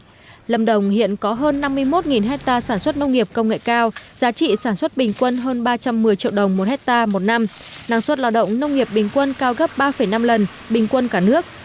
tuy nhiên lâm đồng hiện có hơn năm mươi một hectare sản xuất nông nghiệp công nghệ cao giá trị sản xuất bình quân hơn ba trăm một mươi triệu đồng một hectare một năm năng suất lò động nông nghiệp bình quân cao gấp ba năm lần bình quân cả nước